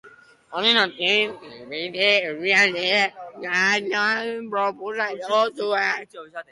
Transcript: Horren ordez, beste herrialde batean egitea proposatu zuen.